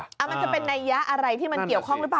มันจะเป็นนัยยะอะไรที่มันเกี่ยวข้องหรือเปล่า